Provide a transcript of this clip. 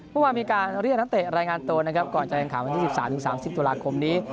เมื่อวานมีการเรียกนักเตะรายงานตัวนะครับก่อนจะแข่งขันวันที่๑๓๓๐ตุลาคมนี้